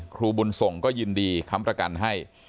ครูบุญส่งก็ยินดีค้ำประกันให้